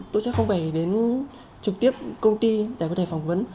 tôi sẽ không phải đến trực tiếp công ty để có thể phỏng vấn